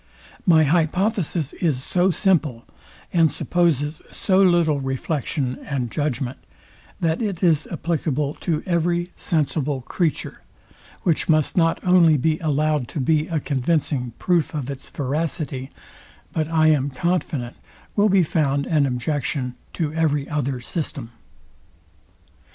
My hypothesis Is so simple, and supposes so little reflection and judgment, that it is applicable to every sensible creature; which must not only be allowed to be a convincing proof of its veracity, but, I am confident, will be found an objection to every other system.